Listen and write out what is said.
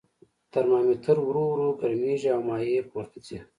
ترمامتر ورو ورو ګرمیږي او مایع پورته ځي.